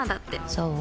そう？